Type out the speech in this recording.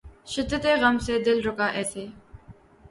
شدتِ غم سے دل رکا ایسے